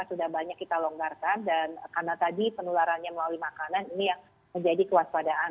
sudah banyak kita longgarkan dan karena tadi penularannya melalui makanan ini yang menjadi kewaspadaan